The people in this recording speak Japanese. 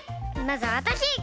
まずわたし！